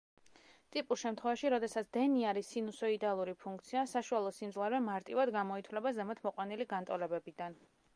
ტიპიურ შემთხვევაში, როდესაც დენი არის სინუსოიდალური ფუნქცია, საშუალო სიმძლავრე მარტივად გამოითვლება ზემოთ მოყვანილი განტოლებებიდან.